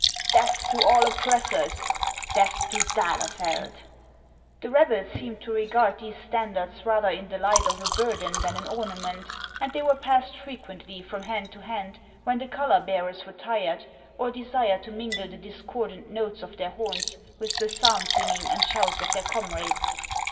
"" Death to all Oppressors '."" Death to d' Ahlefeld !" The rebels seemed to regard these standards rather in the light of a burden than an ornament, and they were passed frequently from hand to hand when the color bearers were tired, or desired to mingle the discordant notes HANS OF ICELAND. 365 of their horns with the psalm singing and shouts of their comrades.